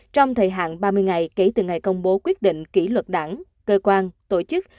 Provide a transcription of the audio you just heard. trong thời hạn ba mươi ngày kể từ ngày công bố quyết định kỷ luật đảng cơ quan tổ chức